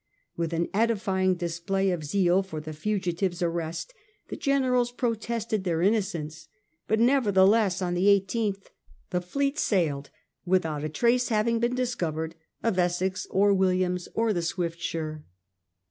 With an edifying display of zeal for the fugitives' arrest the generals protested their innocence ; but nevertheless on the 18th the fleet sailed without a trace having been discovered of Essex or Williams or the Swiftsure.